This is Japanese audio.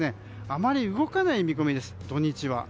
あまり動かない見込みです土日は。